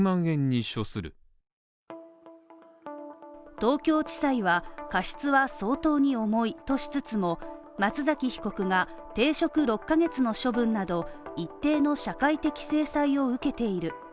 東京地裁は過失は相当に重いとしつつも、松崎被告が停職６ヶ月の処分など一定の社会的制裁を受けている。